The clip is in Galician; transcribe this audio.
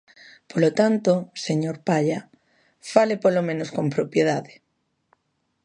Polo tanto, señor Palla, ¡fale polo menos con propiedade!